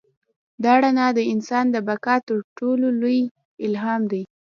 دا رڼا د انسان د بقا تر ټولو لوی الهام دی.